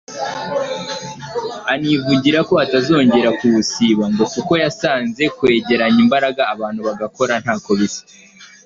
Anivugira ko atazongera kuwusiba, ngo kuko yasanze kwegeranya imbaraga abantu bagakora ntako bisa.